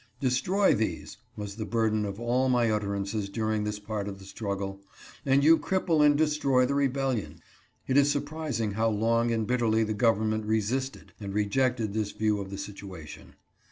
"Destroy these," was the burden of all my utterances during this part of the struggle, " and you cripple and destroy the re bellion." It is surprising how long and bitterly the gov ernment resisted and rejected this view of the situation.